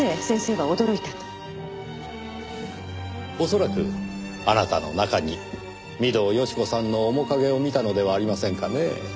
恐らくあなたの中に御堂好子さんの面影を見たのではありませんかね？